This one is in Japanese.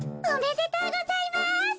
おめでとうございます。